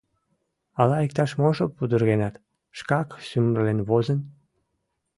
Ала иктаж-можо пудыргенат, шкак сӱмырлен возын?